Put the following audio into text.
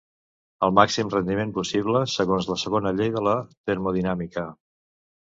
El màxim rendiment possible segons la segona llei de la termodinàmica.